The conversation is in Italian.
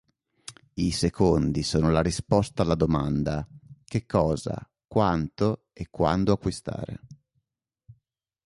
I secondi sono la risposta alla domanda: "Che cosa, quanto e quando acquistare".